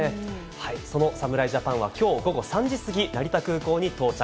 その侍ジャパンは、きょう午後３時過ぎ、成田空港に到着。